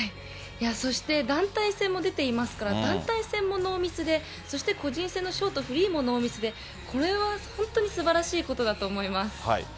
そして団体戦も出ていますから、団体戦もノーミスで、そして、個人戦のショート、フリーもノーミスで、これは本当にすばらしいことだと思います。